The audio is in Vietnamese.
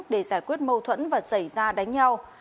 để giải quyết mâu thuẫn và xảy ra đánh nhau